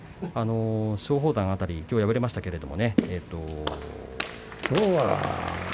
松鳳山きょう敗れましたけれども。